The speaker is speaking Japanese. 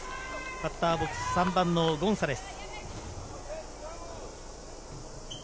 バッターボックス、３番のゴンサレス。